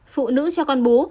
phụ nữ cho con bú